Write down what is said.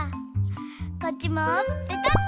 こっちもペタッと。